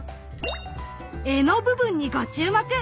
柄の部分にご注目！